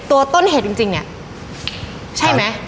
ตัวต้นเหตุจริงเนี่ยใช่ไหม